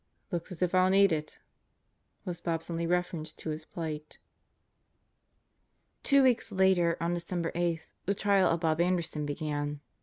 "Looks as if I'll need it," was Bob's only reference to his plight. Two weeks later, on December 8, the trial of Bob Anderson began.